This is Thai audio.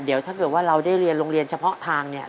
เดี๋ยวถ้าเกิดว่าเราได้เรียนโรงเรียนเฉพาะทางเนี่ย